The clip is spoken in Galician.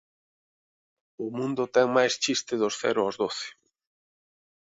O mundo ten máis chiste dos cero aos doce.